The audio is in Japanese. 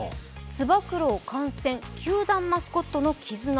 つば九郎感染、球団マスコットの絆